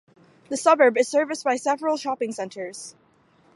The suburb is serviced by several shopping centres.